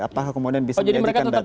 apakah kemudian bisa menyediakan data yang